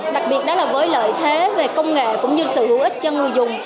đặc biệt đó là với lợi thế về công nghệ cũng như sự hữu ích cho người dùng